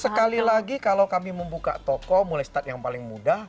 sekali lagi kalau kami membuka toko mulai start yang paling mudah